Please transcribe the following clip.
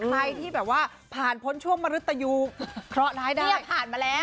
ใครที่แบบว่าผ่านพ้นช่วงมรุตยูเคราะหร้ายได้เนี่ยผ่านมาแล้ว